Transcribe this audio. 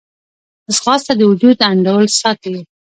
ځغاسته د وجود انډول ساتي